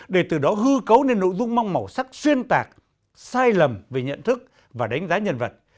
để từ đó hư cấu nên nội dung mong màu sắc xuyên tạc sai lầm về nhận thức và đánh giá nhân vật